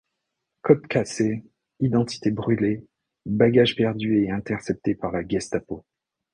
Côtes cassées, identité brûlée, bagages perdus et interceptés par la Gestapo.